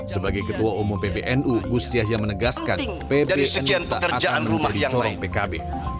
sebagai ketua umum pbnu gus yahya menegaskan pbnu tak akan berubah di corong pkb